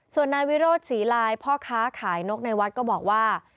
ส่วนนายวิโรธศรีลายพ่อค้าขายนกในวัดก็บอกว่า